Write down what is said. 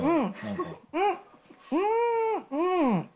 うん。